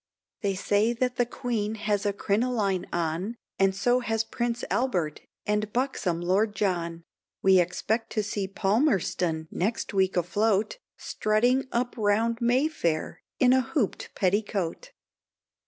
They say that the queen has a crinoline on, And so has Prince Albert and buxom Lord John, We expect to see Palmerston next week afloat, Strutting up round May Fair in a hooped petticoat.